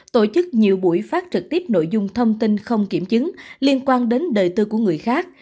tổ chức nhiều buổi phát trực tiếp nội dung thông tin không kiểm chứng liên quan đến đời tư của người khác